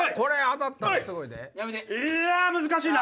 いや難しいな。